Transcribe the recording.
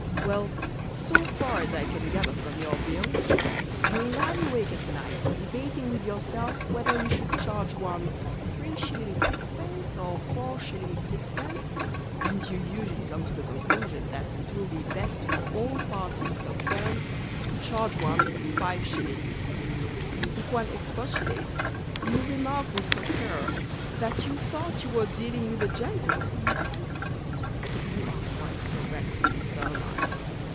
Well, So far as I can gather from your bills, You lie awake at night Debating with yourself Whether you should charge one 3s. 6d. or 4s. 6d. And you usually come to the conclusion That it will be best For all parties concerned To charge one 5s. If one expostulates, You remark With hauteur That you thought you were dealing with a gentleman. You are quite correct in this surmise.